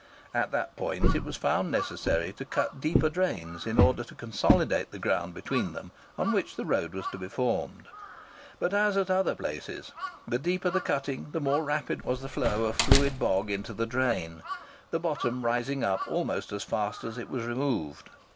At that point it was found necessary to cut deeper drains in order to consolidate the ground between them on which the road was to be formed. But, as at other places, the deeper the cutting the more rapid was the flow of fluid bog into the drain, the bottom rising up almost as fast as it was removed.